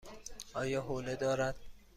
آیا حوله دارد؟